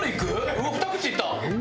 うわっ２口いった！